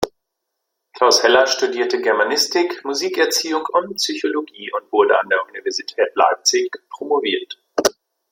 Klaus Heller studierte Germanistik, Musikerziehung und Psychologie und wurde an der Universität Leipzig promoviert.